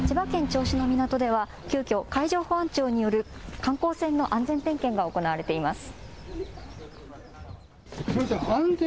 銚子の港では急きょ、海上保安庁による観光船の安全点検が行われています。